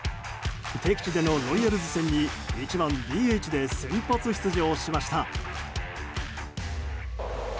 敵地でのロイヤルズ戦に１番ＤＨで先発出場しました。